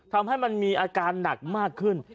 ทำให้มันมีอาการหนักมากขึ้น